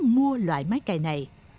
mua loại máy cày này